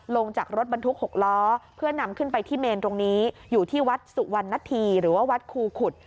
ลงจากรถบรรทุก๖ล้อเพื่อนำขึ้นไปที่เมนตรงนี้อยู่ที่วัดสุวรรณธีหรือว่าวัดครูขุด